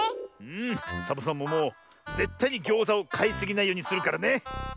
うんサボさんももうぜったいにギョーザをかいすぎないようにするからね！